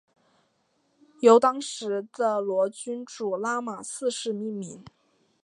由当时的暹罗君主拉玛四世命名。